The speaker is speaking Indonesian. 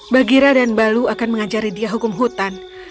bagira dan balu akan mengajari dia hukum hutan